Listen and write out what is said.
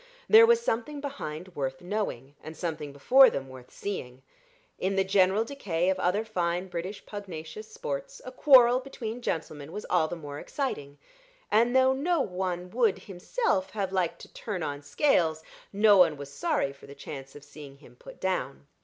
There was something behind worth knowing, and something before them worth seeing. In the general decay of other fine British pugnacious sports, a quarrel between gentlemen was all the more exciting, and though no one would himself have liked to turn on Scales, no one was sorry for the chance of seeing him put down.